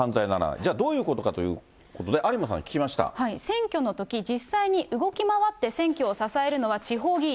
じゃあどういうことかということ選挙のとき実際に動き回って選挙を支えるのは地方議員。